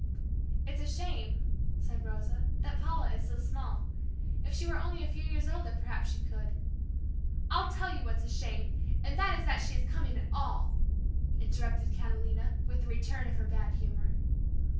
"It's a shame," said Rosa, "that Paula is so small. If she were only a few years older perhaps she could" "I'll tell you what's a shame, and that is that she is coming at all," interrupted Catalina with the return of her bad humor.